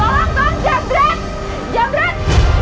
tolong bang jangan berat